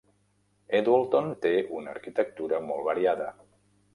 Edwalton té una arquitectura molt variada.